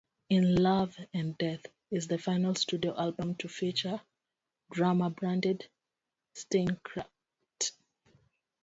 "In Love and Death" is the final studio album to feature drummer Branden Steineckert.